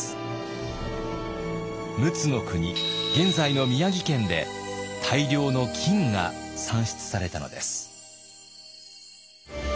陸奥国現在の宮城県で大量の金が産出されたのです。